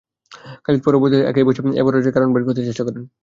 খালিদ পরবর্তীতে একাকী বসে এ পরাজয়ের কারণ বের করতে চেষ্টা করেন।